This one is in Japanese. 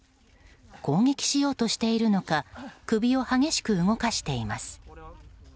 攻撃しようとしているのか首を激しく動かしています。